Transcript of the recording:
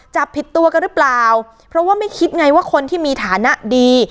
จับผิดตัวกันหรือเปล่าเพราะว่าไม่คิดไงว่าคนที่มีฐานะดี